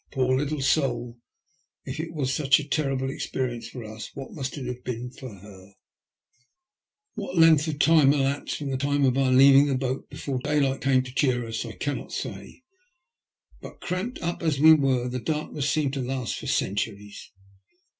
Poor Uttle soul, if it was such a terrible experience for us, what must it have been for her ? What length of time elapsed from the time of our heading the boat before daylight came to cheer us I cannot say, but, cramped up as we were, the darkness seemed to last for centuries.